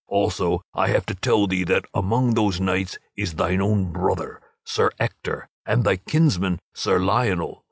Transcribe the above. Also I have to tell thee that among those knights is thine own brother, Sir Ector, and thy kinsman, Sir Lionel.